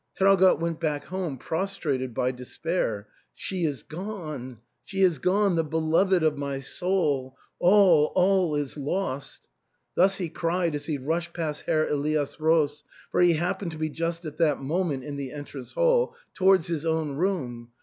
Traugott went back home prostrated by despair. " She is gone ! She is gone ! The beloved of my soul ! All — all is lost !" Thus he cried as he rushed past Herr Elias Roos (for he happened to be just at that moment in the entrance hall) towards his own room.